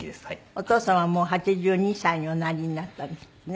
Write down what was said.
お父様はもう８２歳におなりになったんですってね。